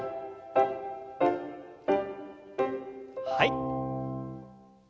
はい。